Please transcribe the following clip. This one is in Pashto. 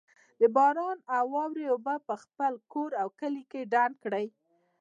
د باران او واورې اوبه په خپل کور، کلي کي ډنډ کړئ